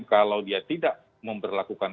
kalau dia tidak memperlakukan